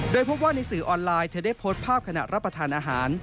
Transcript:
โดยพบว่าในสื่อออนไลน์เธอได้โพสต์ภาพขณะรับประทานอาหาร